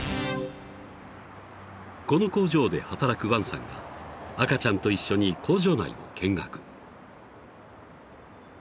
［この工場で働く王さんが赤ちゃんと一緒に工場内を見学］